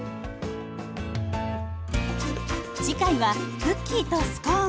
次回はクッキーとスコーン。